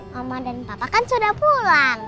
maman dan papa kan sudah pulang